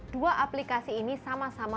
dua aplikasi ini sama sama